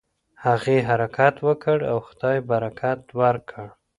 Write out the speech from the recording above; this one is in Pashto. هغې حرکت وکړ او خدای برکت ورکړ.